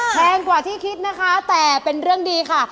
แพงกว่าที่คิดนะคะแต่เป็นเรื่องดีค่ะ